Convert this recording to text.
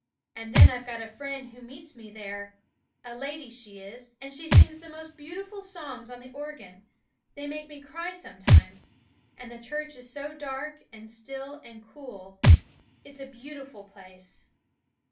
And then I've got a friend who meets me there a lady she is and she sings the most beautiful songs on the organ! they make me cry sometimes. And the church is so dark, and still, and cool; it's a beautiful place.'